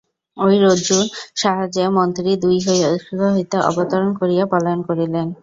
ঐ রজ্জুর সাহায্যে মন্ত্রী দুর্গ হইতে অবতরণ করিয়া পলায়ন করিলেন।